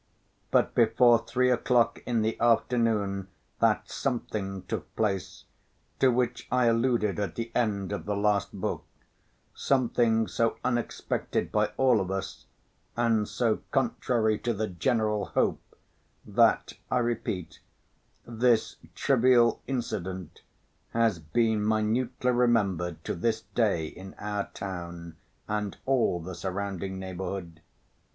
But before three o'clock in the afternoon that something took place to which I alluded at the end of the last book, something so unexpected by all of us and so contrary to the general hope, that, I repeat, this trivial incident has been minutely remembered to this day in our town and all the surrounding neighborhood.